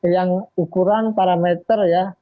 yang ukuran parameter ya